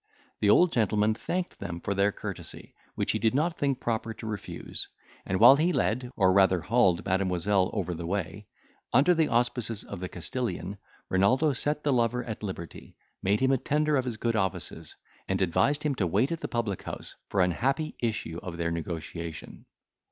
The old gentleman thanked them for their courtesy, which he did not think proper to refuse, and while he led, or rather hauled Mademoiselle over the way, under the auspices of the Castilian, Renaldo set the lover at liberty, made him a tender of his good offices, and advised him to wait at the public house for an happy issue of their negotiation.